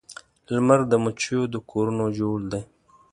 لمر د مچېو د کورونو جوړ دی